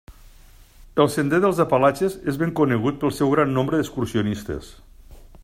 El Sender dels Apalatxes és ben conegut pel seu gran nombre d'excursionistes.